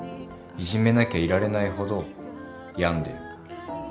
いじめなきゃいられないほど病んでる。